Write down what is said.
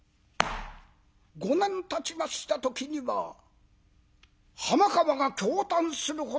５年たちました時には浜川が驚嘆するほどの見事な筆跡。